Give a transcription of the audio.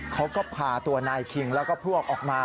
เขาก็พาตัวนายคิงแล้วก็พวกออกมา